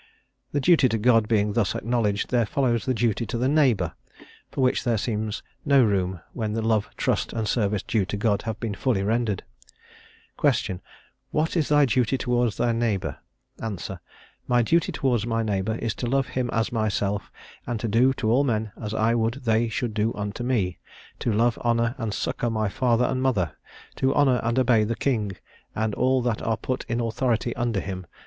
The duty to God being thus acknowledged, there follows the duty to the neighbour, for which there seems no room when the love, trust, and service due to God have been fully rendered. "Ques. What is thy duty toward thy neighbour? Ans. My duty towards my neighbour is to love him as myself, and to do to all men as I would they should do unto me. To love, honour, and succour my father and mother. To honour and obey the king, and all that are put in authority under him.